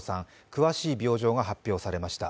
詳しい病状が発表されました。